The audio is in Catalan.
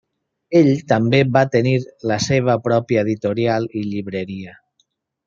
Ell també va tenir la seva pròpia editorial i llibreria.